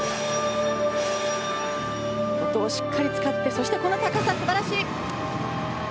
音をしっかり使ってそして、この高さ素晴らしい！